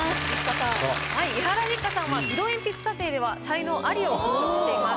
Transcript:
伊原六花さんは色鉛筆査定では才能アリを獲得しています。